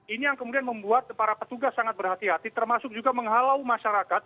ini yang kemudian membuat para petugas sangat berhati hati termasuk juga menghalau masyarakat